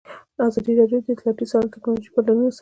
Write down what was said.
ازادي راډیو د اطلاعاتی تکنالوژي بدلونونه څارلي.